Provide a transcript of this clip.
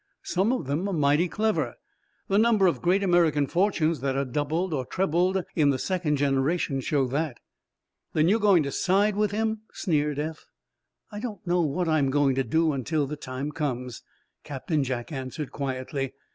Some of them are mighty clever. The number of great American fortunes that are doubled, or trebled, in the second generation, show that." "Then you're going to side with him?" sneered Eph. "I don't know what I'm going to do, until the time comes," Captain Jack answered, quietly.